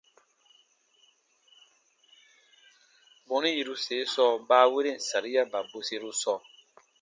Bɔnu yiruse sɔɔ baaweren sariaba bweseru sɔɔ.